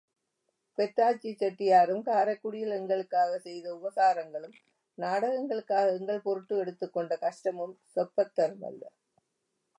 பெத்தாச்சி செட்டியாரும் காரைக்குடியில் எங்களுக்காகச் செய்த உபசாரங்களும், நாடகங்களுக்காக எங்கள் பொருட்டு எடுத்துக்கொண்ட கஷ்டமும் செப்பத்தரமல்ல.